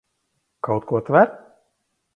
Kaut ko tver?